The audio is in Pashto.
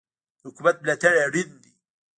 د حکومت ملاتړ اړین دی.